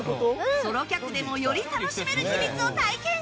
ソロ客でもより楽しめる秘密を体験。